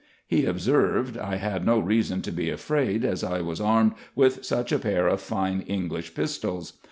He observed, I had no reason to be afraid, as I was armed with such a pair of fine English pistols.